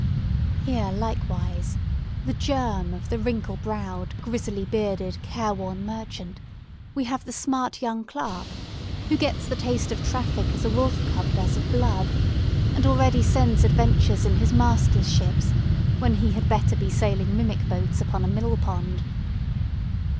Here, likewise—the germ of the wrinkle browed, grizzly bearded, careworn merchant—we have the smart young clerk, who gets the taste of traffic as a wolf cub does of blood, and already sends adventures in his master's ships, when he had better be sailing mimic boats upon a mill pond.